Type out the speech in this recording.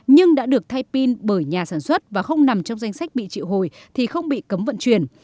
nhưng đã được thay pin bởi nhà sản xuất và không nằm trong danh sách bị triệu hồi thì không bị cấm vận chuyển